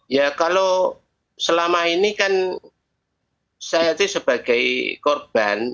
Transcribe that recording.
ya kalau selama ini kan saya itu sebagai korban